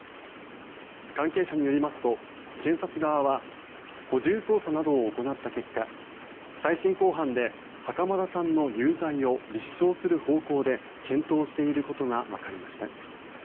関係者によりますと検察側は補充捜査などを行った結果再審公判で袴田さんの有罪を立証する方向で検討していることがわかりました。